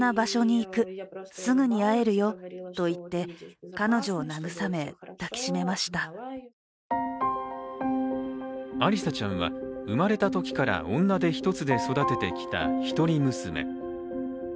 将来の夢を聞くとアリサちゃんは、生まれたときから女手一つで育ててきた一人娘。